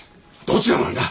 どちらなんだ！？